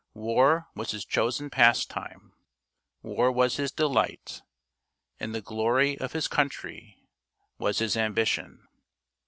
War was his chosen pastime ; war was his delight ; and the glory of his country was his ambition.